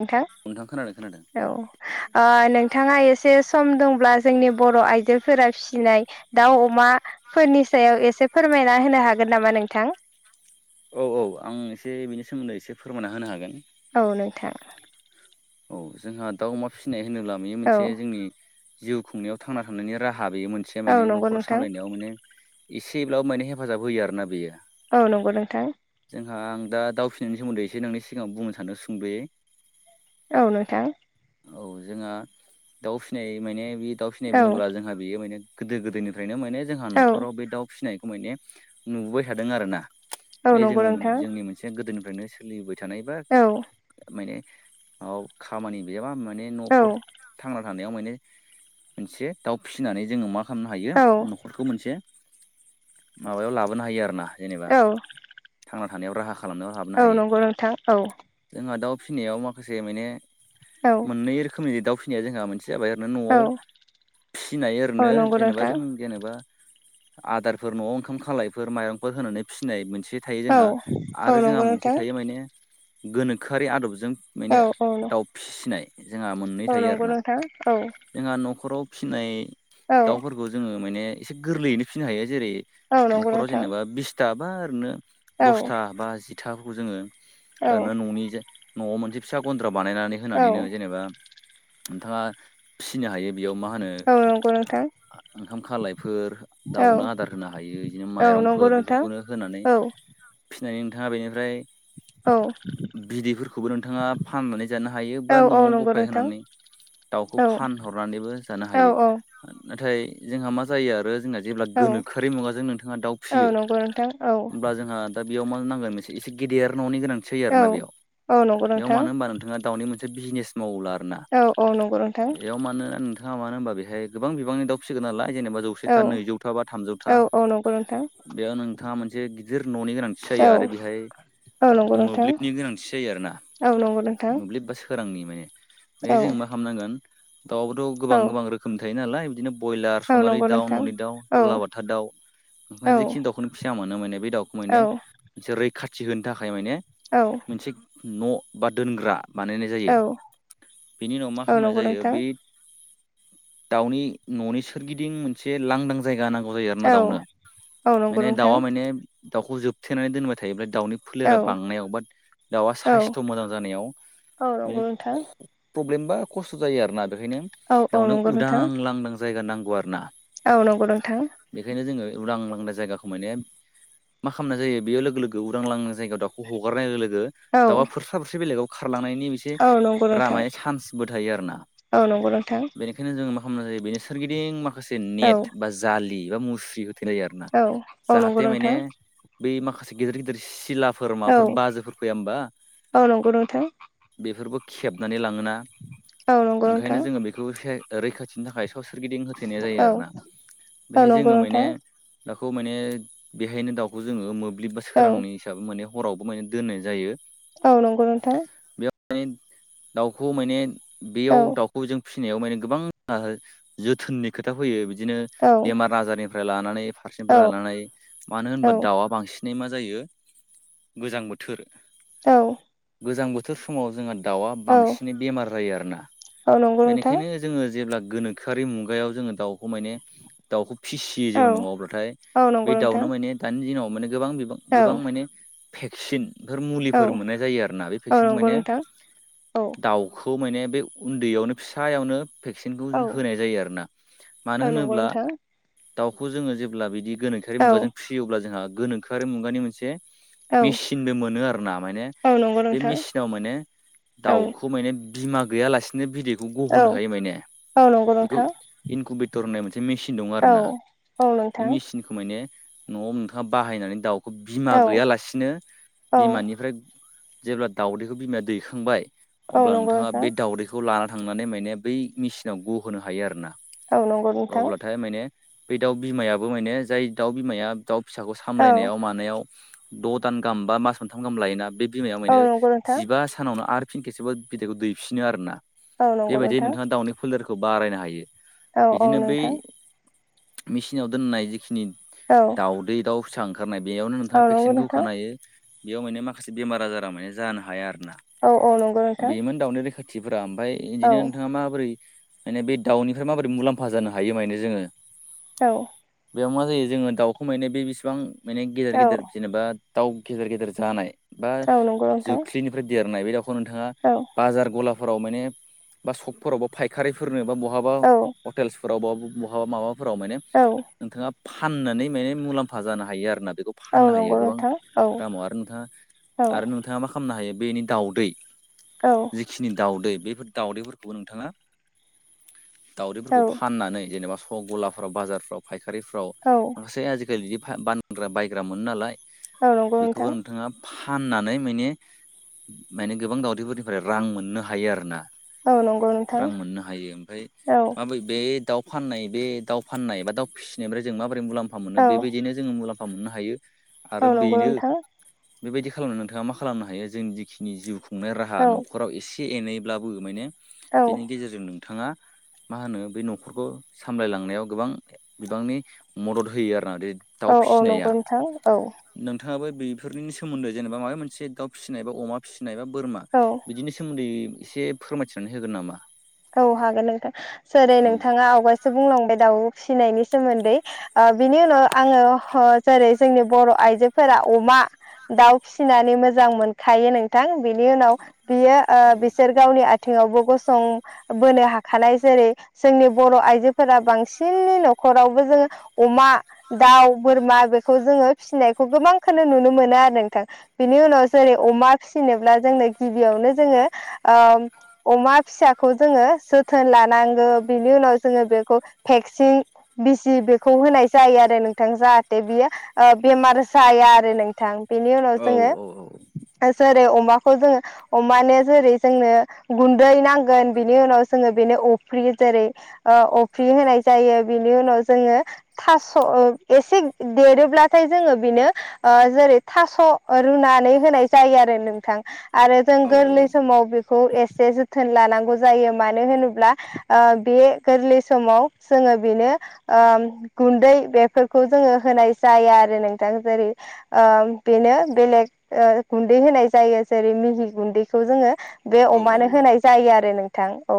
नोंथां खोनादों खोनादों औ। नोंथाङा एसे सम दंब्ला जोंनि बर' आइजोफोरा फिनाय दाउ अमाफोरनि सायाव एसे फोरमायना होनो हागोन नामा नोंथां। औ औ आं एसे बेनि सोमोन्दै एसे फोरमायना होनो हागोन। औ नोंथां। औ जोंहा दाउ अमा फिसिनाय होनोब्ला बेयो औ मोनसे जोंनि‌ जिउ खुंनायाव थांना थानायांनि राहा बेयो मोनसे औ माने नंगौ न'खर नोंथां सामलायनायाव माने एसेब्लाबो माने हेफाजाब होयो आरोना बेयो औ नंगौ नोंथां। जोंहा आं दा दाउिसिनायनि सोमोन्दै एसे नों सिगां बुंनो सानो सुंदुयै औ नोंथां। औ जोंहा दाउ फिसिनाय माने बे दाउ फिनाय औ बोब्ला जोंहा बेयो माने गोदो गोदायनि ओ्रनो माने जोंहा औ न'खराव बे दाउ फिसिनायखौ माने नुबोाय थादों आरोना। औ बे नंगौ जोङो नोंथां जोंनि मोनसे गोदोनिफ्रायनो सोलिबाय थानाय बा औ माने खामानि गैयाबा माने औ न'खर थांना थानायाव माने मोनसे दाउ फिसिनानै जोङो मा खालामनो हायो औ न'खरखौ मोनसे माबायाव लाबोनो हायो आरोोना जेनेबा थांना थानायाव राहा खालाम खालामनायाव हाबनो औ हायो नंगौ नोंथां औ जोंहा दाउ फिसिनायाव माखासे माने औ मोननै रोखोमनि दाउ फिनाया जोंहा मोनसे जाबाय रै औ न'आव फिसिनाय औ ओरैनो नंगौ जेनेबा नोंथां जों जेनेबा आदारफोर न'आव ओंखाम खालायफोर माइरंफोर होनानै फिसिनाय मोनसे थायो औ जोंहा औ आरो जोंहा नंगौ मोनसे नोंथां थायो माने गोनोखोआरि आदबजों माने औ औ दाउ फिसिनाय जोंहा मोननै औ थायो नंगौ आरोना नोंथां औ जोंहा न'खराव फिसिनाय औ दाउफोरखौ जोङो माने एसे गोरलैयैनो फिसिनो हायो जेरै औ नंगौ न'खराव नोंथां जेनेबा बिसथा बा ओरैनो औ दसथा बा जिथाफोरखौ जोङो औ ओरैनो न'नि न'आव मोनसे फिसा गन्द्रा बानायनानै औ होनानैनो जेनेबा नोंथाङा फिनो हायो बेयाव मा होनो औ नंगौ नोंथां ओंखाम खालायफोर औ दाउनो आदार होनो हायो बिदिनो औ नंगौ माइरंफोर नोंथां बेफोरखौनो होनानै औ फिनानै नोंथाङा बेनिफ्राय औ बिदैफोरखौबो नोंथाङा। फाननानै जानो हायो औ बा औ न'आव नंगौ गफाय नोंथां होनानै दाउखौ औ फानहरनानैबो जानो औ हायो नाथाय जोंहा मा जायो आरो जोंना जेब्ला औ गोनोखोआरि मुगाजों नोंथाङा दाउ औ फिसियो नंगौ नोंथां औ होमब्ला जोंहा दा बेयाव मा नांगोन मोनसे एसे गेदेर न'नि गोनांथि जायो औ आरोना बेयाव औ नं बेयाव मानो होनबा नोंथाङा दाउनि मोनसे बिजनेस मावोब्ला आरोना औ औ नंगौ नोंथां बेयाव मानोना नोंथां थाङा मानो होमबा बेहाय गोबां बिबांनि दाउ फिसिगोन नालाय जेनबा जौ खौ औ सेथा नैजौथा बा थामजौथा औ औ नंगौ नोंथां बेयाव नों नोंथाङा मोनसे गिदिर न'नि गोनांथि जायो औ आरो बेहाय औ नंगौ नोंथां मोब्लिबनि गोनांथि जायो आरो ना। औ नंगौ। नोंथां मोब्लिब बा सोरांनि माने बे औ जों मा खालामनांगोन दाउआबोथ' औ गोबां गोबां रोखोम रोखोम थायो नालाय बिदिनो ब्यलार औ सनालि नंगौ दाउ नोंथां न'नि दाउ औ दुलाबाथा दाउ ओम औ ज जिखिनि दाउखौनो फिसिया मोनो माने बे दाउखौ औ माने मोनसे रैखाथि होनो थाखाय माने औ मोनसे न' बा दोनग्रा बानायनाय जायो बेनि उनाव मा औ खालामनाय नंगौ जायो नोंथां बे दाउनि न'नि सोरगिदिं मोनसे एसे लांदां जायगा होनांगौ जायो आरोना औ दाउनो औ नंगौ माने दाउआ नोंथां माने दाउखौ जोबथेनानै दोनबाय थायोब्ला दाउनि औ फोलेरा बांनायाव बा दाउआ औ साइस्थ मोजां जानायाव औ माने नंगौ नोंथां प्रब्लेम बा खस्थ' जायो आरोना बेखायनो औ औ दाउनो नंगौ नोंथां उदां लांदां जायगा नांगौ आरो ना। औ नंगौ नोंथां। बेखायनो जोङो उदां लांदा जायगाखौ माने मा खालामनाय जायो बे लोगो लोगो उदांलां जायगायाव दाउखौ हगारनाय लोगो लोगो औ बरसा बरसे बेलेगाव खारलांनायनि एसे औ नंगौ द्रा नोंथां माने चान्सबो थायो आरो ना औ नंगौ नोंथां बेनि बेखायनो जोङो मा खालामनाय जायो बेनो सोरगिदिं माखासे औ नेट बा जाालि बा मुस्रि थिनाय आरना औ औ नंगौ जाहाथे‌ माने नोंथां बै माखासे गिदिर गिदिर सिलाफोर औ माबाफोर बाजोफोर फैया होमबा औ नंगौ नोंथां बेफोरखौ खेबनानै लाङोना औ नंगौ नोंथां ओंखायनो जोङो बेखौ खेर रैखाथिनि थाखाय याव सोरगिदिं होथेनाय जायो औ आरो ना औ बेहाय नंगौ जोङो माने नोंथां दाखौ माने बेहायनो दाउखौ जोङो मोब्लिब बा औ सोरांनि साबो माने हरावबो माने दोननाय जायो। औ नंगौ नोंथां बेयाव माने दाउखौ माने औ बेयाव दाउ खौ जों फिसिनायाव माने गोबां जोथोननि खोथा फैयो बिदिनो औ बेमार आजारनिफ्राय लानानै औ फारसेनिफ्राय लानानै मानो होनबा औ दाउआ बांसिन नै मा जायो गोजां बोथोर औ गोजां बोथोर समाव जोंहा दाउआ औ बांसिनै बेमार जायो आरोना औ नंगौ नोंथां बेनिखायनो जोङो जेब्ला गोनोखोआरि मुगायाव जोङो दाउखौ माने दाउखौ फिसियो जों औ न'आव अब्लाथाय औ बे नंगौ नोंथां दाउनो माने दानि दिनाव माने गोबां बिबां औ गोबां माने भेक्सिन बेफोर औ मुलिफोर मोननाय जायो आर ना औ भेसें नंगौ माने नोंथां औ दाउखौ माने बे उन्दैयावनो फिसायावनो भेक्सिनखौ औ होनाय जायो आरोना मानो औ नंगौ होनोब्ला नोंथां दाउखौ जोङो जेब्ला बिदि गोनोखोआि औ मुगाजों फिसियोब्ला जोंहा गोनोखोआरि मुगानि मोनसे औ मेचिनबो मोनो आरो ना माने औ नंगौ बे नोंथां मेसिनाव माने औ दाउखौ माने बिमा गैयालासिनो भिडिअखौ औ गहोननो हायो मान औ नंगौ बेखौ नोंथां इनकम्पिटर होननाय मोनसे मेचिन दं आरो औ ना औ बे नोंथां मेचन खोमैनो न'आव नोंथाङा बाहायनानै दाउखौ बिमा औ गैयालासिनो औ बिमानिफ्राय जेब्ला दाउदैखौ बिमाया दैखांबाय औ अब्ला नंगौ नोंथाङा नोंथां बे दावउदैखौ बेखौ लाना थांनानै माने बै मेसिनाव गहोनो हायो आरोना औ नंगौ नोंथां अब्लाथाय माने बे दाउ बिमायाबो माने जाय दाउ बिमाया दाउ फिसाखौ औ सामलायनायाव मानायाव द' दान गाहाम बा मास मोनथाम गाहाम लायोना बे बिमाया औ माने नंगौ नोंथां जिबा सानावनो आरो फिन खेसेबबो बिदैखौ दैफिनो आरोना औ नंगौ बेबायदि नोंथां नोंथाङा दाउनि फोलेरखौ बारायनो हायो औ औ बिदिनो बै नोंथां मेचिनाव दोननाय जिखिनि औ दाउदै दाउ फिसा ओंख होनाय बेयावनो औ नोंथाङा नंगौ भेक्सिनखौ नोंथां खानायो बेयाव माने माखासे बेमार आजारा माने जानो हाया आरो ना औ औ नंगौ नोंथां दाउनि रैखाथिफोरा ओमफाय औ इदिनो नोंथाङा माबोरै माने बे दाउनिफ्राय माबोरै मुलाम्फा जानो हायो माने जोङो औ बेयाव मा जायो जोङो दाउखौ मनो बे बेसेबां माने गेदेर औ गेदेर जेनेबा दाउ गेदेर गेदेर जानाय बा औ नंगौ नोंथां जोख्लिनिफ्राय देरनाय बे दाउखौ नोंथाङा औ बाजार गलाफोराव माने बा सकफोरावबो फायखारिफोरनो बा बहाबा औ हटेल्सफोराव बा बहाबा माबाफोराव माने औ नोंथाङा फाननानै माने मुलाम्फा जानो हायो आरो ना बेखौ औ फाननो हायो नंगौ गोबां नोंथां औ दामाव आरो नोंथाङा औ आरो नोंथाङा मा खालामनो हायो बेनि दाउदै औ जिखिनि दावदै बेफोर दाउदैफोरखौबो नोंथाङा दावदैफोरखौ फाननानै जेनेबा सग गलाफ्राव बाजारफ्राव फायखारिफ्राव औ मोनसै आजिखालि बिदि बानग्रा बायग्रा मोनो नालाय औ नंगौ बेखौबो नोंथां नोंथाङा फाननानै माने माने गोबां दावदैफोरनिफ्राय रां मोननो हायो आरो ना। औ नंगौ नोंथां रां मोननो हायो ओमफाय औ माबै बे दाउ फाननाय बे दाउ फाननाय बा फिसिनायनिफ्राय जों माबोरै मुलाम्फा मोनो औ बेबायदिनो जोङो मुलाम्फा मोननो हायो। आरो औ नंगौ बेनो नोंथां बेबायदि खालामनानै नोंथाङा मा खालामनो हायो जोंनि जिखिनि जिउ खुंनाय राहा औ न'ख राव एसे एनैब्लाबो माने औ बेनि गेजेरजों नोंथाङा मा होनो बे न'खरखौ सामलायलांनायाव गोबां बिबांनि मदद होयो आरोना बे दाउ औ फिसिनाया नंगौ नोंथां औ नोंथाङाबो बे फोरनि सोमोन्दै जेनेबा माबा मोनसे दाउ फिसिनाय बा अमा फिसिनाय बा बोरमा औ बिदिनि सोमोन्दै एसे फोरमायथिनानै होगोन नामा। औ हागोन नोंथां जेरै औ नोंथाङा आवगायासो बुंलांबाय दाउ फिसिनायनि सोमोन्दै आ बिनि उनाव आङो आ जेरै जोंनि बर' आइजोफोरा अमा दाउ फिसिनानै मोजां मोन खायो नोंथां बिनि उनाव बियो ओ बिसोर गावनि आथिंयावबो गसं बोनो हाखानाय जेरै जोंनि बर' आइजोफोरा बांसिननि न'खरावबो जोङो अमा दाउ बोरमा बेखौ जोङो फिसिनायखौ गोबांखौनो नुनो मोनो आरो नोंथां। बिनि उनाव जेरै अमा फिसिनोब्ला जोंनो गिबियावनो जोङो ओ अमा फिसाखौ जोङो जोथोन लानांगौ बिनि उनाव जोङो बेखौ भेक्सिन बिजि बेखौ होनाय जायो आरो नोंथां जाहाथे बियो बेमार जाया आरो नों थां बेनि उनाव औ जोङो जेरै अमाखौ जोङो अमानो जेरै जोंनो गुन्दै नांगोन बिनि उनाव जोङो बेनो अफ्रि जेरै ओ अफ्रि होनाय जायो बिनि उनाव जोङो थास' ओ एसे देरोब्लाथाय जोङो बेनो ओ जेरै थास' ओ रुनानै होनाय जायो आरो नोंथां। आरो जों औ गोरलै समाव बेखौ एसे जोथोन लानांगौ जायो मानो होनोब्ला बे गोरलै समाव जोङो बेनो ओ गुन्दै बेफोरखौ जोङो होनाय जाया आरो नोंथां जेरै ओ बेनो बेलेग ओ गुन्दै होनाय जायो जेरै मिहि गुन्दैखौ जोङो बे औ अमानो होनाय जायो आरो नोंथां औ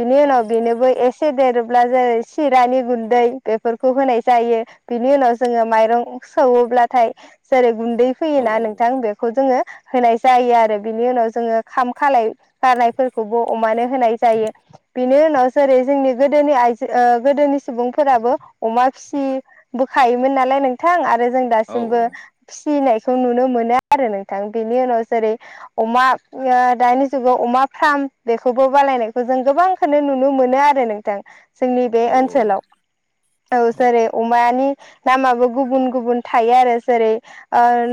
बिनि औ उनाव बेनोबो एसे एसे देरोब्ला जेरै सिरानि गुन्दै बेफोरखौ होनाय जायो। बिनि उनाव जोङो माइरं सौयोब्लाथाय जेरै गुन्दै औ फैयोना नोंथां बेखौ जोङो होनाय जायो आरो बिनि उनाव जोङो खाम खालाय गारनायफोरखौबो अमानो होनाय जायो। बिनि उनाव जेरै जोंनि गोदोनि आइजो गोदोनि सुबुंफोराबो अमा फिसि बोखायोमोन नालाय नोंथां आरो जों औ दासिमबो फिसिनायखौ नुनो मोनो आरो नोंथां बेनि उनाव जेरै अमा ओ दानि जुगाव अमा फार्म बेखौ बालायनायखौ जों गोबांखौनो नुनो मोनो आरो नोंथां जोंनि बे ओनसोलाव। औ जेरै अमानि नामाबो गुबुन गुबुन थायो आरो जेरै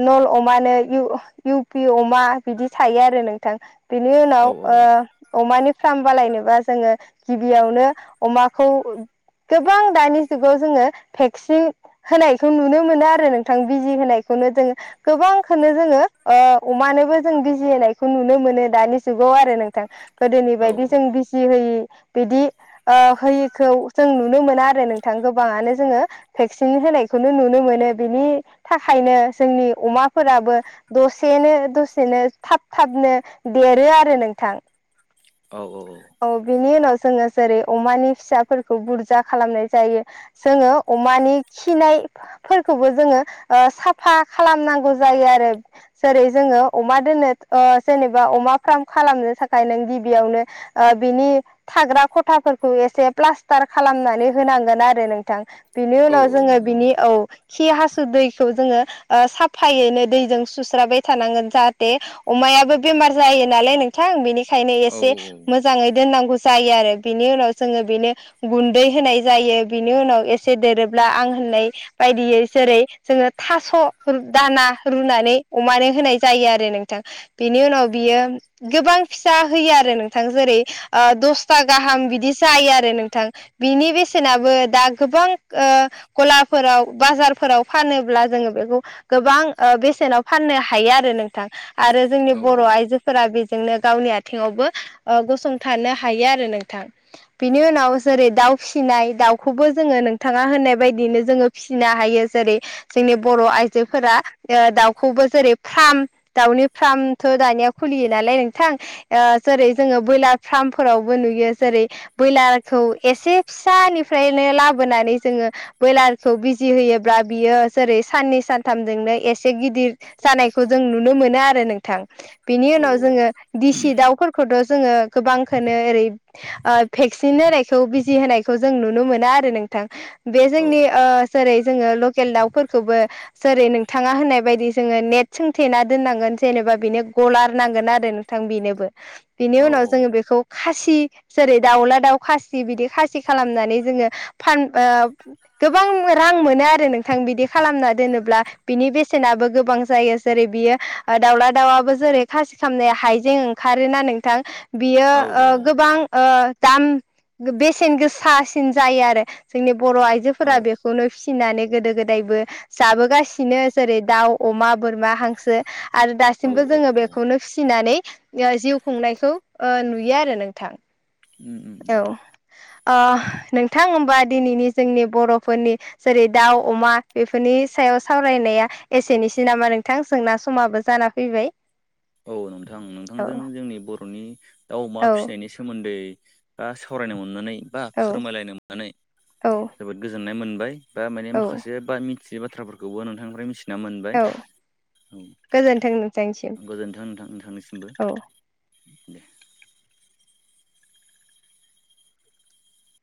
नल अमानो इउ पि अमा बिदि थायो आरो नोंथां। बिनि उनाव ओ अमानि फार्म बालायनोबा जोङो गिबियावनो अमाखौ गोबां दानि जुगाव जोङो भेक्सिन होनायखौ नुनो मोनो आरो नोंथां बिजि होनायखौनो जोङो गोबांखौनो जोङो ओ अमानोबो जों बिजिायखौ नुनो मोनो दानि जुगाव आरो नोंथां। गोदोनि बायदि जों बिजि होयि बिदि ओ होयिखौ जों नुनो मोना आरो नोंथां गोबाङानो जोङो भेक्सिन होनायखौनो नुनो मोनो बिनि थाखायनो जोंनि अमाफोराबो दसेनो दसेनो थाब थाबनो देरो आरो नोंथां। औ औ औ बिनि उनाव जोङो जेरै अमानि फिसाफोरखौ बुरजा खालामनाय जायो जोङो अमानि खिनाय फोरखौबो जोङो साफा खालामनांगौ जायो आरो जेरै जोङो अमा दोननो जेनेबा अमा फार्म खालामनो थाखाय नों गिबियावनो बिनि थाग्रा खथाफोरखौ एसे प्लास्टार खालामनानै होनांगोन आरो नोंथां बिनि उनाव जोङो बिनि औ खि हासु दैखौ जोङो साफायैनो दैजों सुस्राबाय थानांगोन जाहाथे अमायाबो बेमार जायो नालाय नोंथां बेनिखायनो नंगौ औ एसे मोजाङै दोननांगौ जायो आरो बिनि उनाव जोङो बेनो गुन्दै होनाय जायो बिनि उनाव एसे देरोब्ला आं होननाय बायदियै जेरै जोङो थास' दाना रुनानै अमानो होनाय जायो आरो नोंथां बिनि उनाव बियो गोबां फिसा होयो आरो नों नोंथां जेरै दसथा गाहाम बिदि जायो आरो नोंथां बिनि बेसेनाबो दा गोबां गलाफोराव बाजारफोराव फानोब्ला जोङो बेखौ गोबां बेसेनाव फाननो हायो आरो नोंथां आरो जोंनि बर' आइजोफोरा बेजोंनो गावनि आयथिंआव बो गसंथानो हायो आरो नोंथां बिनि उनाव जेरै दाउ फिसिनाय दाउखौबो जोङो नोंथाङा होनाय बायदिनो जोङो फिसिनो हायो जेरै जोंनि बर' आइजोफोरा दाउखौबो जेरै फार्म दाउनि फार्मथ' दानिया खुलियो नालाय नोंथां जेरै जोङो ब्रयलार फार्मफोरावबो नुयो जेरै ब्रयलारखौ एसे फिसानिफ्रायनो लाबोनानै जोङो ब्रयलारखौ बिजि होयोब्ला बियो जेरै साननै सानथामजोंनो एसे गिदिर जानायखौ जों नुनो मोनो आरो नोंथां बेनि उनाव जोङो दिसि दाउफोरखौ खौथ' जोङो गोबांखौनो ओरै भेक्सिन होनायखौ बिजि होनायखौ जों नुनो मोना आरो नोंथां बे जोंनि आ जेरै जोङो लकेल दाउफोरखौबो जेरै नोंथाङा होननाय बायदि जोङो नेट सोंथेना दोननांगोन जेनेबा बेनो गलार नांगोन आरो थां बेनोबो बिनि उनाव जोङो बेखौ खासि जेरै दाउला दाउ खासि बिदि खासि खालामनानै जोङो फान गोबां रां मोनो आरो नोंथां बिदि खालामना दोनोब्ला बिनि बेसेनाबो गोबां जायो जेरै बियो दाउला दाउाबबो जेरै खासि खालामामनाय हाइजें खारोना नोंथां बियो गोबां दाम बेसेन गोसासिन जायो आरो जोंनि बर' औ आइजोफोरा बेखौ खौनो फिसिनानै गोदो गोदायबो जाबोगासिनो जेरै दाउ अमा बोरमा हांसो आरो औ दासिमबो औ जोङो बेखौनो फिसिनानै जिउ संनायखौ नुयो आरो नोंथां उम उम औ नोंथां होनबा दिनैनि जोंनि बर'फोरनि जेरै दाउ अमा बेफोरनि सायाव सावरायनाया एसेनोसै नामा नोंथां जोंना समाबो जाना फैबाय औ नोंथां औ नोंथांजों जोंनि बर'नि दाउ अमा औ फिसिनायनि सोमोन्दै बा सावरायनो मोननानै बा औ फोरमायलायनो मोननानै औ जोबोद गोजोननाय मोनबाय दा माने औ माखासे बा मिथियै बाथ्राफोरखौबो नोंथांनिफ्राय मिथिना मोनबाय औ गोजोन्थोंनो गोजोन्थांोंथां नोंथांनिसिमबो दे